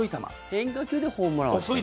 変化球でホームランを打ってる。